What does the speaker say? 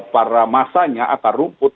para masanya atau rumput